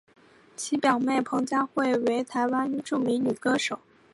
其表妹彭佳慧为台湾著名女歌手。